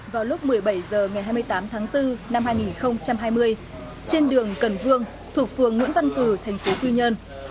vào lúc một mươi bảy h ngày hai mươi tám tháng bốn năm hai nghìn hai mươi trên đường cần vương thuộc phường nguyễn văn cử thành phố quy nhơn